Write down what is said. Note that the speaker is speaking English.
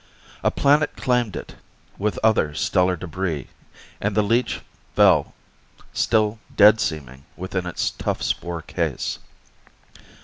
A planet claimed it, with other stellar debris, and the leech fell, still dead seeming within its tough spore case.